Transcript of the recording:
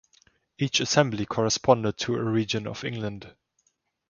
Each assembly corresponded to a region of England.